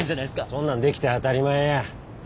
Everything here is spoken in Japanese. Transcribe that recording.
そんなんできて当たり前や。